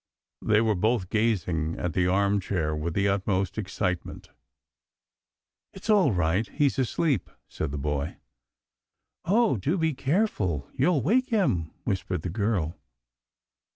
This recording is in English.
They were both gazing at the arm chair with the utmost excitement. " It's all right. He's asleep," said the boy. " Oh, do be careful ! you'll wake him," whis pered the girl.